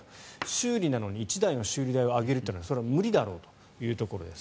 修理なのに１台の修理代を上げるというのはそれは無理だろうというところです。